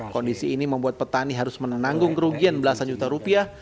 kondisi ini membuat petani harus menanggung kerugian belasan juta rupiah